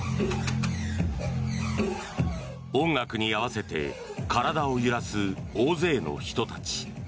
音楽に合わせて体を揺らす大勢の人たち。